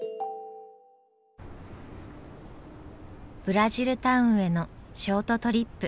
ブラジルタウンへのショートトリップ。